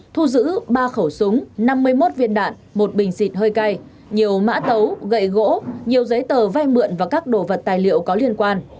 thu giữ ba khẩu súng năm mươi một viên đạn một bình xịt hơi cay nhiều mã tấu gậy gỗ nhiều giấy tờ vai mượn và các đồ vật tài liệu